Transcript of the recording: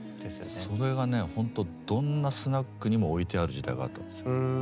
それがほんとどんなスナックにも置いてある時代があったんですよ。